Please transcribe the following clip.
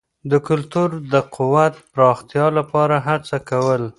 د کلتور د قوت د پراختیا لپاره هڅه کول.